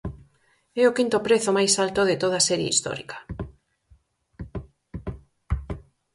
É o quinto prezo máis alto de toda a serie histórica.